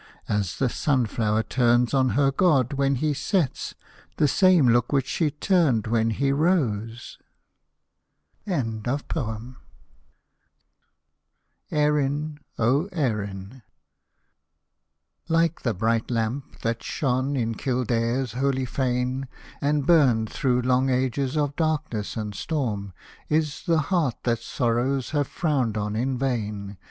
As the sun flower turns on her god, when he sets, 1 A ^' tr The same look which she turned when he rose^ ERIN, O ERIN Like the bright lamp, that shone in Kildare's holyfane, And burned thro' long ages of darkness and storm, Is the heart that sorrows have frowned on in vain.